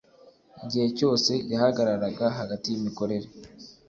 igihe cyose yahagararaga hagati yimikorere.